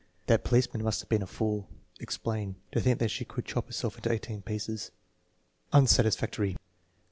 "That policeman must have been a fool. (Explain.) To think that she could chop herself into eighteen pieces." Unsatisfactory.